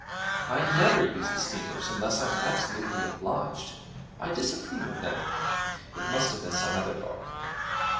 'I never use the steamers unless I'm absolutely obliged I disapprove of them: it must have been some other dog.'